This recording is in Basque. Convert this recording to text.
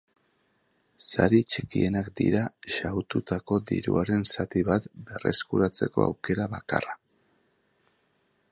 Sari txikienak dira xahututako diruaren zati bat berreskuratzeko aukera bakarra.